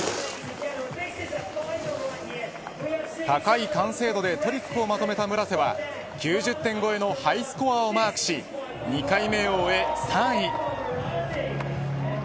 高い完成度でトリックをまとめた村瀬は９０点超えのハイスコアをマークし２回目を終え３位。